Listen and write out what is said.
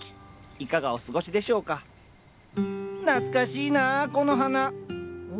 いかがお過ごしでしょうか懐かしいなこの花。